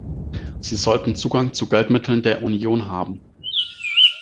Sie sollten Zugang zu Geldmitteln der Union haben.